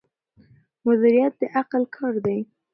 مدیریت د عقل کار دی.